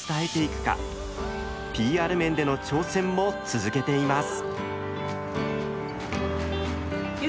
ＰＲ面での挑戦も続けています。